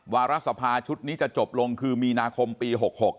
วารสภาชุดนี้จะจบลงคือมีนาคมปี๖๖